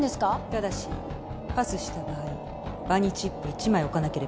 ただしパスした場合場にチップ１枚置かなければなりません。